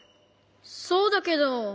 そうだけど。